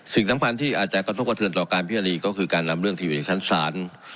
สิ่งสำคัญที่อาจจะกระทบกระเทือนต่อการพิจารณาก็คือการนำเรื่องทีวีในชั้นศาล